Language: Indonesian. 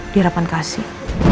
di harapan kasih